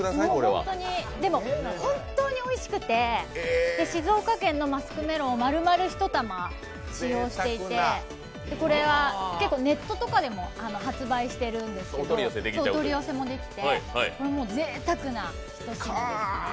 本当においしくて静岡県のマスクメロンを丸々１玉使用していて、これは結構ネットとかでも発売していてお取り寄せもできて、ぜいたくなひと品ですね。